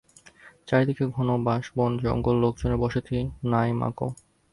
চারিদিকে ঘন বাঁশবন, জঙ্গল, লোকজনের বসতি নাই-মাগো!